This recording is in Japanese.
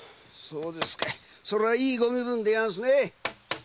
そうですかいそれはいいご身分でやんすね。